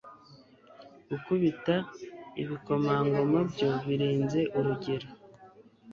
gukubita ibikomangoma, byo birenze urugero